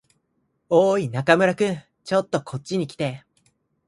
おーい、中村君。ちょっとこっちに来て。